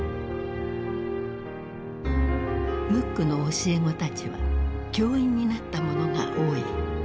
ムックの教え子たちは教員になった者が多い。